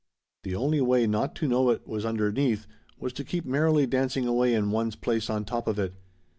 The only way not to know it was underneath was to keep merrily dancing away in one's place on top of it.